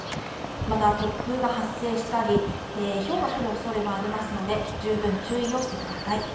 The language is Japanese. また突風が発生したりひょうが降る恐れもありますので、十分注意をしてください。